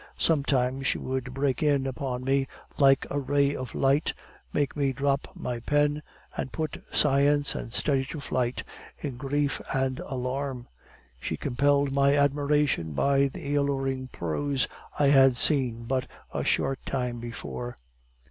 Sometimes she would break in upon me like a ray of light, make me drop my pen, and put science and study to flight in grief and alarm, as she compelled my admiration by the alluring pose I had seen but a short time before.